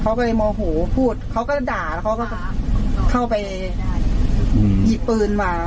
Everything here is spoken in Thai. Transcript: เขาก็เลยโมโหพูดเขาก็ด่าแล้วเขาก็เข้าไปหยิบปืนมา